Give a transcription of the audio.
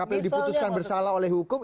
kpu diputuskan bersalah oleh hukum